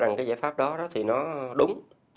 dùng cái giải pháp đó thì nó đúng